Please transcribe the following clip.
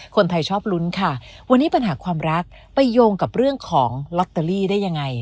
คนไทยชอบลุ้นค่ะวันนี้ปัญหาความรักไปโยงกับเรื่องของลอตเตอรี่ได้ยังไง